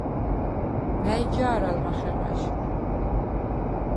მა̈ჲ ჯა̄რ ალ მახეღვა̈ჟ?